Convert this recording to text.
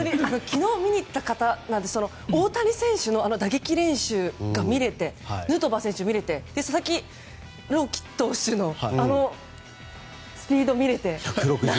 昨日見に行った方は大谷選手のあの打撃練習を見れてヌートバー選手を見れて佐々木朗希投手のあのスピードを見れて。